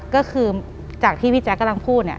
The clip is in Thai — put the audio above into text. ก็คือจากที่พี่แจ๊กกำลังพูด